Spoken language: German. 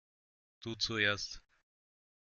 Du zuerst.